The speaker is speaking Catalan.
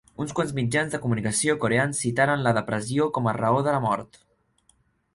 Uns quants mitjans de comunicació coreans citaren la depressió com a raó de la mort.